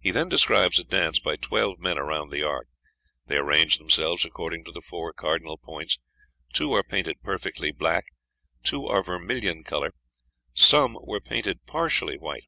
He then describes a dance by twelve men around the ark: "They arrange themselves according to the four cardinal points; two are painted perfectly black, two are vermilion color, some were painted partially white.